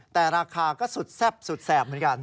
แต่ราคาก็สุดแซ่บเหมือนกัน